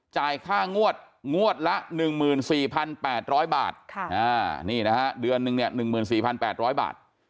ค่างวดงวดละ๑๔๘๐๐บาทนี่นะฮะเดือนนึงเนี่ย๑๔๘๐๐บาท